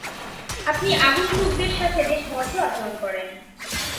আপনি আগুন্তুকদের সাথে বেশ ভদ্র আচরণ করেন।